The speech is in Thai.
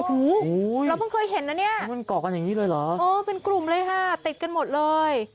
โอ้โหเราเพิ่งเคยเห็นนะเนี่ยมันเกาะกันอย่างนี้เลยเหรอเออเป็นกลุ่มเลยค่ะติดกันหมดเลย